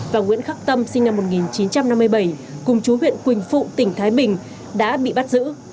và nguyễn khắc tâm sinh năm một nghìn chín trăm năm mươi bảy cùng chú huyện quỳnh phụ tỉnh thái bình đã bị bắt giữ